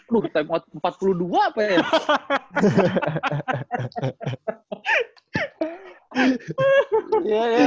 lu time out ke empat puluh dua apa ya ya